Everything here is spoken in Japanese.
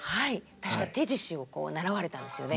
確か手獅子を習われたんですよね。